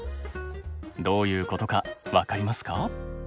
どういうことか分かりますか？